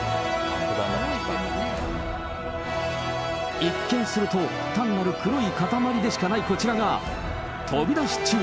一見すると、単なる黒い塊でしかないこちらが、飛び出し注意！